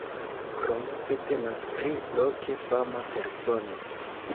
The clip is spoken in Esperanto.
Krom se temas pri loke fama persono.